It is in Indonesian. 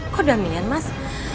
kok demian mas